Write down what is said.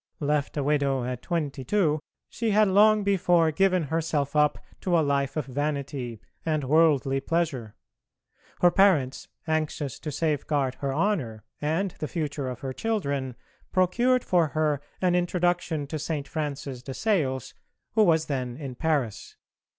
Left a widow at twenty two, she had long before given herself up to a life of vanity and worldly pleasure. Her parents, anxious to safeguard her honour and the future of her children, procured for her an introduction to St. Francis de Sales, who was then in Paris.